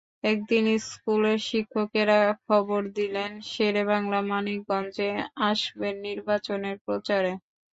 একদিন স্কুলের শিক্ষকেরা খবর দিলেন শেরে বাংলা মানিকগঞ্জে আসবেন নির্বাচনের প্রচারে।